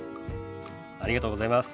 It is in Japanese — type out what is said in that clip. ありがとうございます。